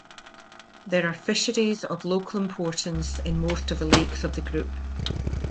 There are fisheries of local importance in most of the lakes of the group.